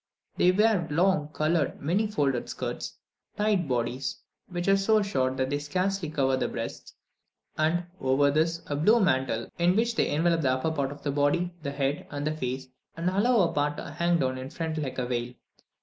They wear long, coloured, many folded skirts, tight bodies, which are so short that they scarcely cover the breasts; and, over this, a blue mantle, in which they envelop the upper part of the body, the head, and the face, and allow a part to hang down in front like a veil.